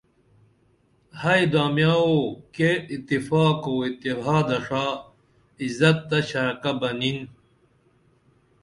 ہئی دامیاں وو کیر اتفاق و اتحاد ݜا عزت تہ ݜعکہ بنیں